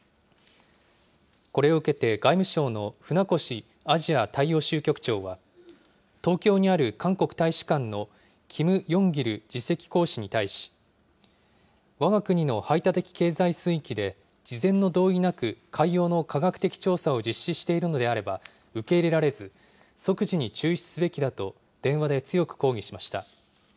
これを受けて、外務省の船越アジア大洋州局長は、東京にある韓国大使館のキム・ヨンギル次席公使に対し、わが国の排他的経済水域で事前の同意なく海洋の科学的調査を実施しているのであれば受け入れられず、即時に中止すべきだと電話で強く抗議しました。